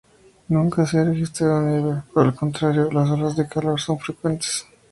Nunca se ha registrado nieve, por el contrario, las olas de calor son frecuentes.